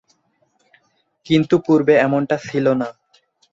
কিন্তু পূর্বে এমনটা ছিলনা।